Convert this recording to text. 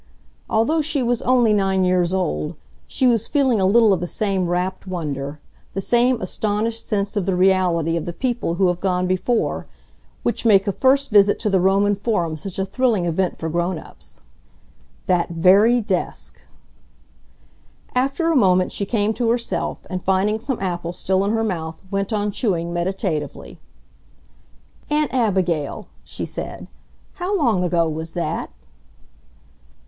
Although she was only nine years old, she was feeling a little of the same rapt wonder, the same astonished sense of the reality of the people who have gone before, which make a first visit to the Roman Forum such a thrilling event for grown ups. That very desk! After a moment she came to herself, and finding some apple still in her mouth, went on chewing meditatively. "Aunt Abigail," she said, "how long ago was that?"